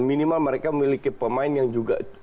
minimal mereka memiliki pemain yang juga